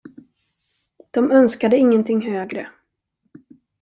De önskade ingenting högre.